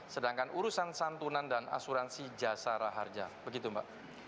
sedangkan urusan santunan dan asuransi jasara harja begitu mbak